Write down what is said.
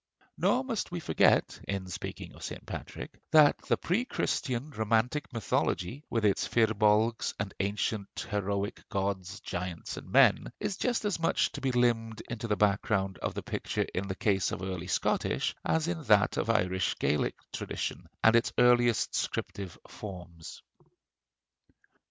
Nor must we forget, in speaking of St. Patrick, that the pre Christian romantic mythology, with its Firbolgs and ancient heroic gods, giants, and men, is just as much to be limned into the background of the picture in the case of early Scottish as in that of Irish Gaelic tradition and its earliest scriptive forms.